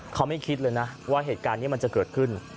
เขาไม่คิดเลยนะว่าเหตุการณ์นี้มันจะเกิดขึ้น